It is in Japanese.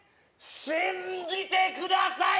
信じてください！